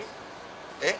えっ？